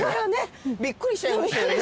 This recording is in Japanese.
びっくりしちゃいましたよね。